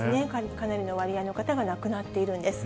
かなりの割合の方が亡くなっているんです。